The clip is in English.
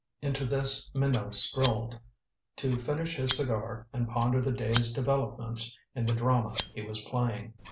Into this Minot strolled, to finish his cigar and ponder the day's developments in the drama he was playing.